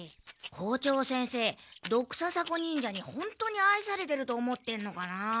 校長先生ドクササコ忍者にほんとにあいされてると思ってんのかな？